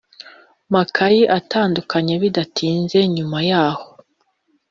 makayi atandukanye Bidatinze nyuma yaho